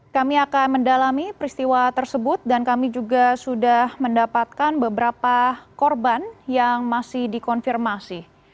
kami akan mendalami peristiwa tersebut dan kami juga sudah mendapatkan beberapa korban yang masih dikonfirmasi